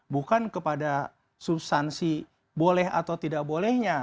bukan kepada substansi boleh atau tidak bolehnya